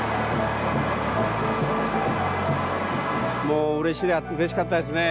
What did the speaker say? もう嬉しかったですね